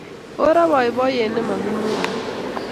Oo ra poipoiyet ne mokimwoye.